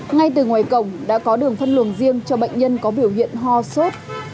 ngay từ ngoài cổng đã có đường phân luồng riêng cho bệnh nhân có biểu hiện ho sốt